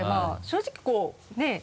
正直こうねぇ。